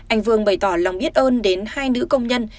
anh vương bày tỏ lòng biết ơn đến hai nữ công nhân